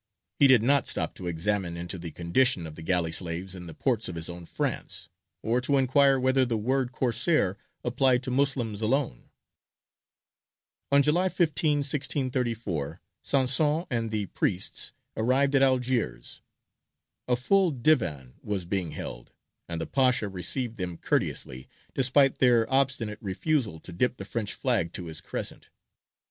He did not stop to examine into the condition of the galley slaves in the ports of his own France, or to inquire whether the word Corsair applied to Moslems alone. On July 15, 1634, Sanson and the priests arrived at Algiers. A full divan was being held, and the Pasha received them courteously, despite their obstinate refusal to dip the French flag to his crescent.